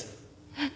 えっ？